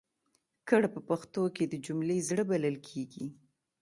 کړ په پښتو کې د جملې زړه بلل کېږي.